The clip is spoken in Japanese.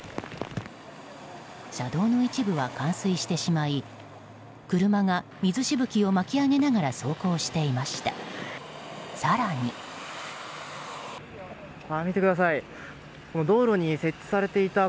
車道の一部は冠水してしまい車が水しぶきを巻き上げながら走行していました。